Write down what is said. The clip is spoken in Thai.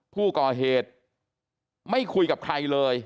ผู้ก่อเหตุไม่คุยกับใครเลย